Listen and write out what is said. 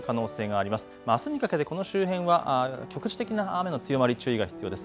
あすにかけてこの周辺は局地的な雨の強まり、注意が必要です。